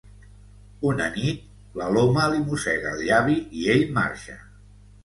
Una nit, l'Aloma li mossega el llavi i ell marxa.